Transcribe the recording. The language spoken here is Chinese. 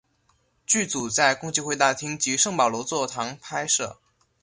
剧组在共济会大厅及圣保罗座堂拍摄。